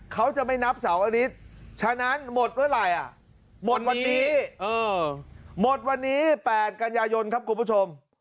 เขาจะไม่นับเสาร์อฤษฐ์ฉะนั้นหมดเวลาไรหมดวันนี้๘กันยายนครับคุณผู้ชม